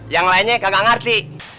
yang lainnya kagak ngerti